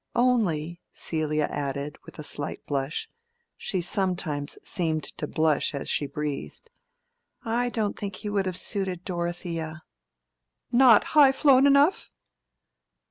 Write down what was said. Only," Celia added, with a slight blush (she sometimes seemed to blush as she breathed), "I don't think he would have suited Dorothea." "Not high flown enough?"